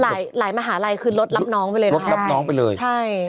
หลายหลายมหาลัยคือรถรับน้องไปเลยนะรถรับน้องไปเลยใช่